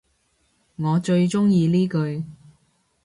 我最鍾意呢句